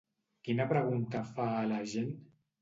Quina pregunta fa a la gent?